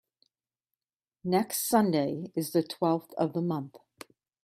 Next Sunday is the twelfth of the month.